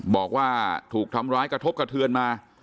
บอกว่าถูกทำร้ายกระทบกระเทือนมา